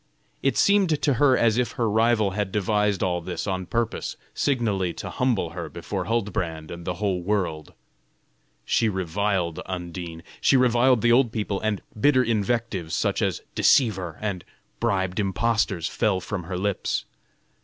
It seemed to her as if her rival had devised all this on purpose signally to humble her before Huldbrand and the whole world. She reviled Undine, she reviled the old people, and bitter invectives, such as "deceiver" and "bribed impostors," fell from her lips.